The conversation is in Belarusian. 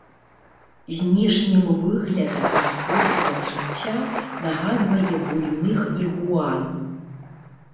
Знешнім выглядам і спосабам жыцця нагадвае буйных ігуан.